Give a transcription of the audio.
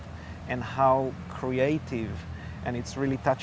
dan berapa kreatif dan sangat menyentuh